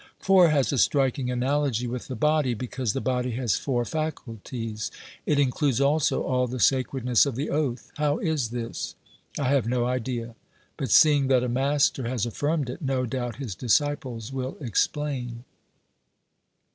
Four has a striking analogy with the body, because the body has four faculties. It includes also all the sacredness of the oath. How is this ? I have no idea, but seeing that a master has aflirmed it, no doubt his disciples will explain.